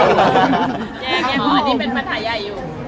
อ๋ออันนี้เป็นปัญหายายอยู่